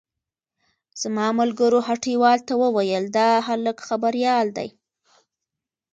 زما ملګرو هټيوالو ته وويل دا هلک خبريال دی.